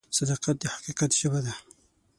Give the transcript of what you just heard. صداقت د حقیقت ژبه ده.